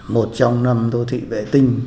một trong năm đô thị vệ tinh